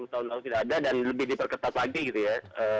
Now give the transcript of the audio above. tahun lalu tidak ada dan lebih diperketat lagi gitu ya